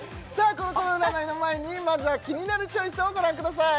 コロコロ占いの前にまずはキニナルチョイスをご覧ください